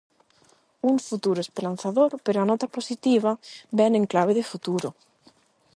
Un futuro esperanzador pero a nota positiva vén en clave de futuro.